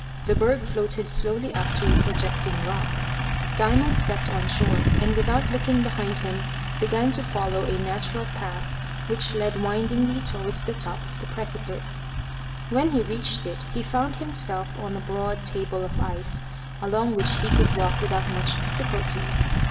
The berg floated slowly up to a projecting rock. Diamond stepped on shore, and without looking behind him began to follow a natural path which led windingly towards the top of the precipice. When he reached it, he found himself on a broad table of ice, along which he could walk without much difficulty.